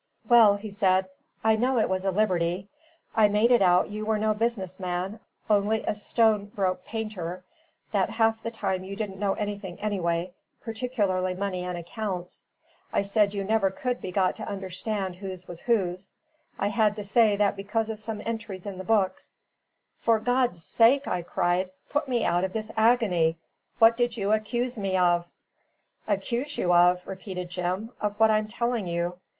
"Well," he said "I know it was a liberty I made it out you were no business man, only a stone broke painter; that half the time you didn't know anything anyway, particularly money and accounts. I said you never could be got to understand whose was whose. I had to say that because of some entries in the books " "For God's sake," I cried, "put me out of this agony! What did you accuse me of?" "Accuse you of?" repeated Jim. "Of what I'm telling you.